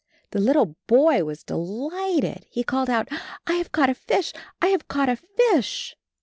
The little boy was de lighted. He called out, "I have caught a fish; I have caught a fish!"